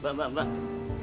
mbak mbak mbak